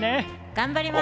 頑張ります！